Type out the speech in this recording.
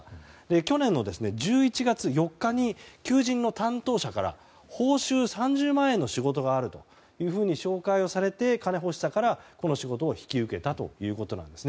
去年の１１月４日に求人の担当者から報酬３０万円の仕事があると紹介をされて金欲しさから、この仕事を引き受けたということです。